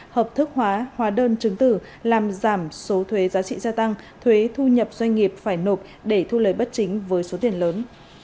hợp thức hóa hóa đơn chứng tử làm giảm số thuế giá trị gia tăng thuế thu nhập doanh nghiệp phải nộp để thu lời bất chính với số tiền lớn